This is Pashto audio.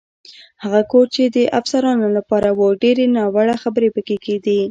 هغه کور چې د افسرانو لپاره و، ډېرې ناوړه خبرې پکې کېدې.